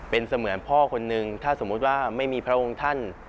เป็นเสมือนพ่อคนนึงถ้าสมมุติว่าไม่มีพระองค์ท่าน